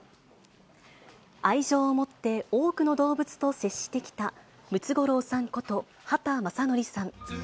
愛情をもって多くの動物と接してきた、ムツゴロウさんこと、畑正憲さん。